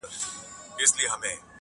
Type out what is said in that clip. دا متل دی له پخوا د اولنیو-